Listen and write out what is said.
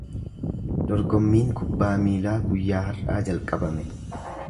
Dorgommiin kubbaa miilaa guyyaa har’aa jalqabame.